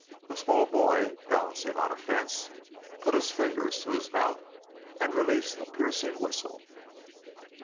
A small boy, balancing on a fence, put his fingers to his mouth and released a piercing whistle.